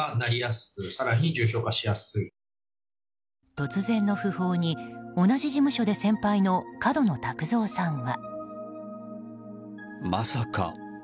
突然の訃報に同じ事務所で先輩の角野卓造さんは。